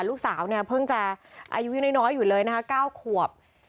ลูกสาวเนี่ยเพิ่งจะอายุยังน้อยอยู่เลยนะคะ๙ขวบ